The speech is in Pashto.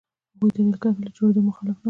هغوی د رېل کرښې له جوړېدو مخالف نه وو.